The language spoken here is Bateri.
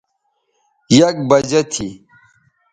یک بجہ تھی